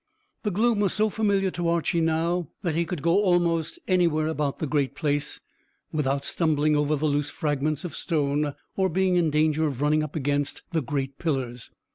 The gloom was so familiar to Archy now that he could go almost anywhere about the great place, without stumbling over the loose fragments of stone, or being in danger of running up against the great pillars.